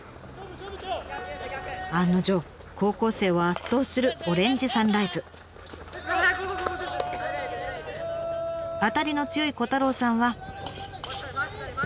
案の定高校生を圧倒するオレンジサンライズ。当たりの強い虎太郎さんは。